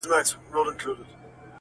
خو دننه درد ژوندی وي تل,